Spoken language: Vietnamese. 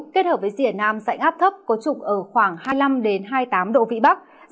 kết hợp với rìa nam dạnh áp thấp có trục ở khoảng hai mươi năm hai mươi tám độ vĩ bắc